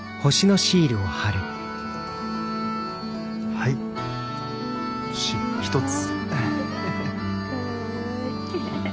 はい星１つ。